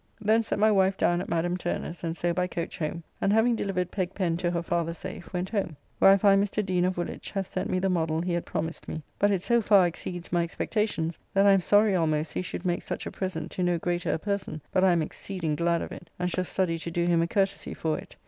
Thence set my wife down at Madam Turner's, and so by coach home, and having delivered Pegg Pen to her father safe, went home, where I find Mr. Deane, of Woolwich, hath sent me the modell he had promised me; but it so far exceeds my expectations, that I am sorry almost he should make such a present to no greater a person; but I am exceeding glad of it, and shall study to do him a courtesy for it.